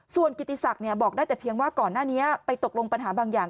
ส่วนกิติศักดิ์บอกได้แต่เพียงว่าก่อนหน้านี้ไปตกลงปัญหาบางอย่าง